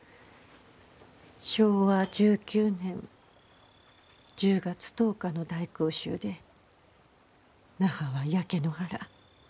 昭和１９年１０月１０日の大空襲で那覇は焼け野原